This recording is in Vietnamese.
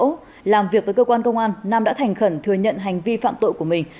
trước đó làm việc với cơ quan công an nam đã thành khẩn thừa nhận hành vi phạm tội của mình